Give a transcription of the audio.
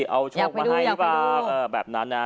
เอาโชคมาให้หรือเปล่าแบบนั้นนะ